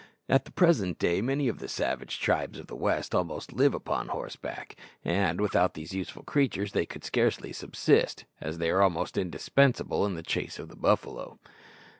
At the present day many of the savage tribes of the west almost live upon horseback, and without these useful creatures they could scarcely subsist, as they are almost indispensable in the chase of the buffalo.